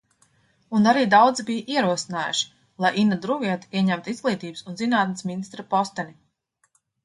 Un arī daudzi bija ierosinājuši, lai Ina Druviete ieņemtu izglītības un zinātnes ministra posteni.